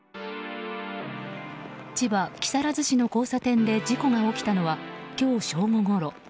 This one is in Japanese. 千葉木更津市の交差点で事故が起きたのは今日正午ごろ。